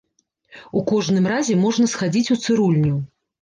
У кожным разе можна схадзіць у цырульню.